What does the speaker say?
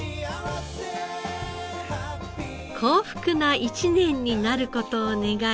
幸福な一年になる事を願い